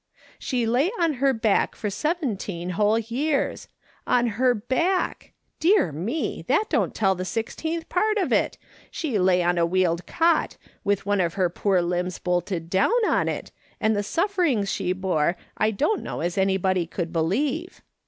She lay on her back for seventeen whole years ! On her back ! Dear me ! that don't tell the sixteenth part of it ; she lay on a wheeled cot, with one of her poor limbs bolted down in it, and the suf ferings she bore I don't know as anybody could believe.